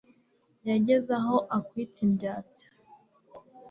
Yageze aho akwita indyarya.